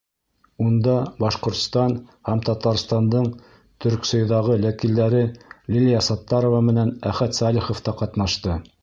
Унда Башҡортостан һәм Татарстандың ТӨРКСОЙ-ҙағы вәкилдәре Лилиә Саттарова менән Әхәт Сәлихов та ҡатнашты.